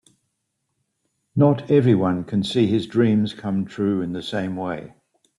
Not everyone can see his dreams come true in the same way.